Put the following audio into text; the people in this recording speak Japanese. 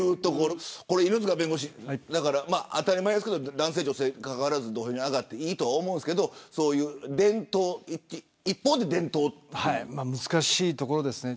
犬塚弁護士、当たり前ですけど男性、女性かかわらず土俵に上がっていいと思うんですけど難しいところですね。